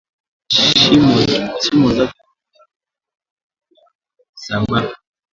Heshimu wa zazi wa mwenzako sa bako